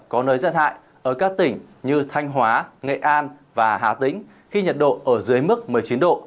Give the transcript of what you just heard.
có nơi rét hại ở các tỉnh như thanh hóa nghệ an và hà tĩnh khi nhiệt độ ở dưới mức một mươi chín độ